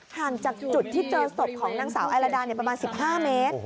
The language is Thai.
ห่างจากจุดที่เจอศพของนางสาวไอลาดาประมาณ๑๕เมตร